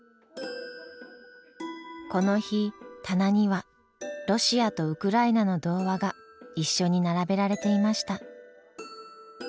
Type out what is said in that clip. この日棚にはロシアとウクライナの童話が一緒に並べられていました。